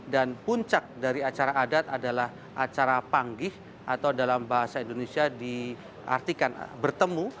dan puncak dari acara adat adalah acara panggih atau dalam bahasa indonesia diartikan bertemu